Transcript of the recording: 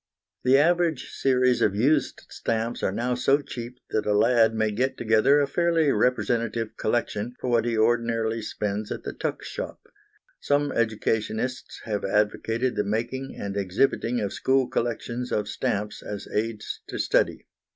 The average series of used stamps are now so cheap that a lad may get together a fairly representative collection for what he ordinarily spends at the tuck shop. Some educationists have advocated the making and exhibiting of school collections of stamps as aids to study.